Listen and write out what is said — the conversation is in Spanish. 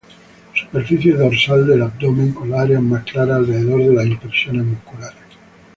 Superficie dorsal del abdomen con áreas más claras alrededor de las impresiones musculares.